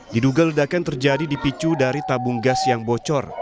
diduga ledakan terjadi dipicu dari tabung gas yang bocor